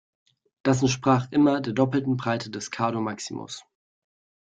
Das entsprach immer der doppelten Breite des "cardo maximus".